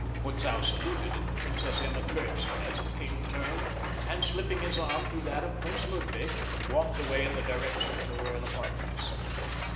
Butzow saluted and the Princess Emma curtsied, as the king turned and, slipping his arm through that of Prince Ludwig, walked away in the direction of the royal apartments.